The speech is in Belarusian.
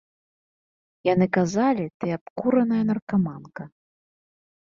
Яны казалі, ты — абкураная наркаманка.